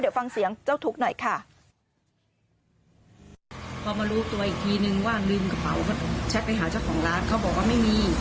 เดี๋ยวฟังเสียงเจ้าทุกข์หน่อยค่ะ